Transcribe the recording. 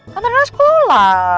kan rhena sekolah